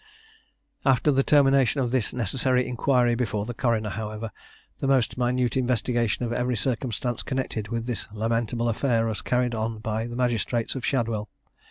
After the termination of this necessary inquiry before the coroner, however, the most minute investigation of every circumstance connected with this lamentable affair was carried on by the magistrates of Shadwell.